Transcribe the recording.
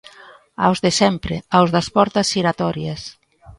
Aos de sempre, aos das portas xiratorias.